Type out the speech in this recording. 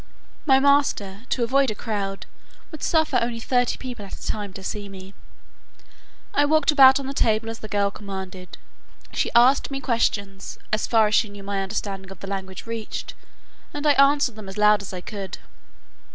My master, to avoid a crowd, would suffer only thirty people at a time to see me. I walked about on the table as the girl commanded; she asked me questions, as far as she knew my understanding of the language reached, and I answered them as loud as I could.